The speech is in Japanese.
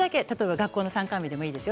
学校の参観日でもいいですよ。